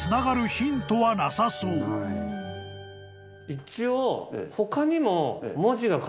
一応。